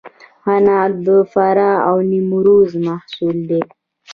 عناب د فراه او نیمروز محصول دی.